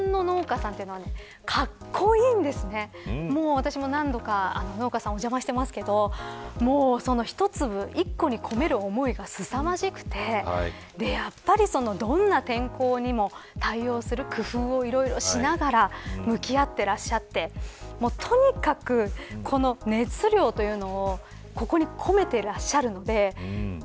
私も何度か農家さんお邪魔してますけど一粒、一個に込める思いがすさまじくてどんな天候にも対応する工夫をいろいろしながら向き合っていらっしゃってとにかく、熱量というのをここに込めていらっしゃるので。